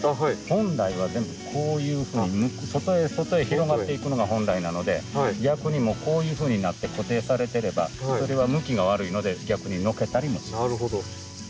本来は全部こういうふうに外へ外へ広がっていくのが本来なので逆にこういうふうになって固定されてればこれは向きが悪いので逆にのけたりもします。